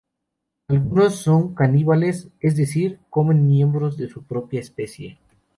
Algunos son caníbales, es decir, comen miembros de su propia especie.